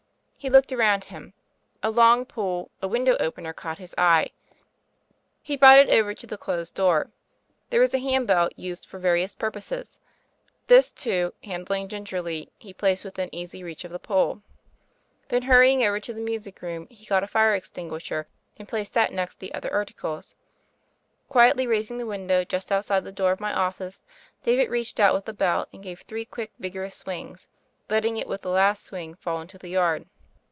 He looked around him. A long pole, a window opener, caught his eye. He brought it over to the closed door. There was a hand bell used for various purposes: this, too, handling gingerly, he placed within easy reach of the pole. Then hurrying over to the music room, he got a fire extinguisher, and placed that next the other arti cles. Quietly raising the window just outside the door of my office, David reached out with the bell and gave three quick, vigorous swings, letting it with the last swing fall into the yard.